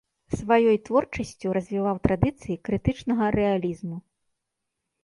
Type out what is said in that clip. Сваёй творчасцю развіваў традыцыі крытычнага рэалізму.